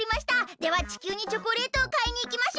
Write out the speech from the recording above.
では地球にチョコレートをかいにいきましょう！